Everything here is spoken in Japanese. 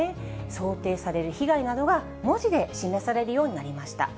想定される被害などが文字で示されるようになりました。